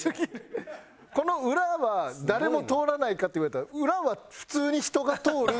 この裏は誰も通らないかっていわれたら裏は普通に人が通る通路なんですよ。